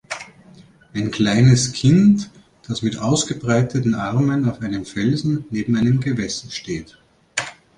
Ein kleines Kind, das mit ausgebreiteten Armen auf einem Felsen neben einem Gewässer steht.